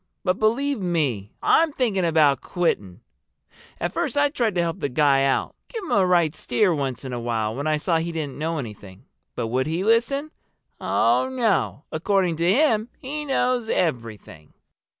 But believe me, I'm thinking about quitting. At first I tried to help the guy out—give him a right steer once in a while when I saw he didn't know anything. But would he listen? Oh, no! According to him, he knows everything."